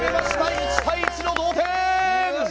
１対１の同点！